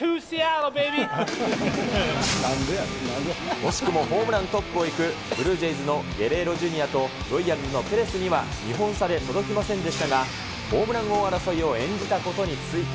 惜しくもホームラントップをいくブルージェイズのゲレーロＪｒ．とロイヤルズのペレスには２本差で届きませんでしたが、ホームラン王争いを演じたことについて。